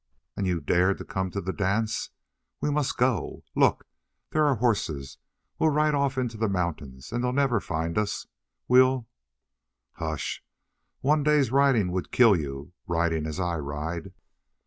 "And you dared to come to the dance? We must go. Look, there are horses! We'll ride off into the mountains, and they'll never find us we'll " "Hush! One day's riding would kill you riding as I ride."